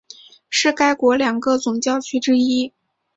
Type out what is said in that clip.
是该国两个总教区之一。